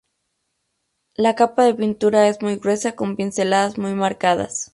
La capa de pintura es muy gruesa, con pinceladas muy marcadas.